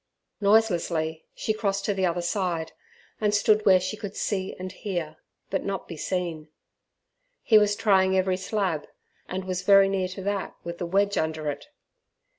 Noiselessly she crossed to the other side, and stood where she could see and hear, but not be seen. He was trying every slab, and was very near to that with the wedge under it.